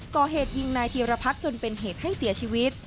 ก่อเหตุยิงนายธีรพัฒน์จนเป็นเหตุให้เสียชีวิต